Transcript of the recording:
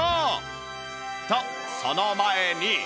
とその前に